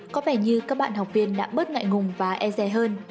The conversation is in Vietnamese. có vẻ như các bạn học viên đã bớt ngại ngùng và e rè hơn